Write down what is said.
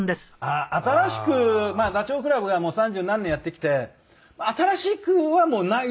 新しくダチョウ倶楽部が三十何年やってきて新しくはもうないと。